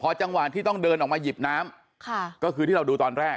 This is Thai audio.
จังหวะที่ต้องเดินออกมาหยิบน้ำค่ะก็คือที่เราดูตอนแรก